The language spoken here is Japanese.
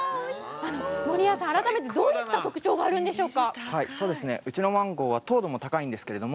守屋さん、改めて、どういった特徴があるんでしょうか。